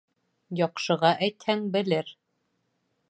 Яҡшыға әйтһәң, белер